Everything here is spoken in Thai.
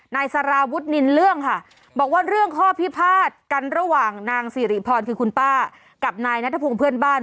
นายสารวุฒินินเรื่องค่ะบอกว่าเรื่องข้อพิพาทกันระหว่างนางสิริพรคือคุณป้ากับนายนัทพงศ์เพื่อนบ้าน